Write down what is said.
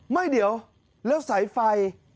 ไม่เดี๋ยวแล้วสายไฟ